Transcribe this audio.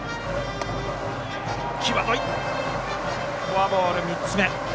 フォアボール、３つ目。